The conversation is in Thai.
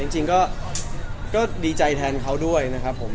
จริงก็ดีใจแทนเขาด้วยนะครับผม